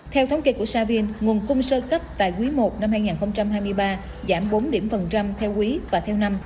theo thống kê của savin nguồn cung sơ cấp tại quý i năm hai nghìn hai mươi ba giảm bốn điểm phần trăm theo quý và theo năm